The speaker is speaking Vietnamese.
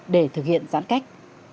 để thực hiện giãn cách